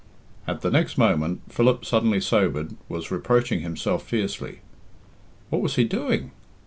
At the next moment Philip, suddenly sobered, was reproaching himself fiercely. What was he doing?